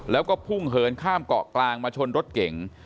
แล้วก็พุ่งเหินข้ามเกาะกลางมาชนรถเก่ง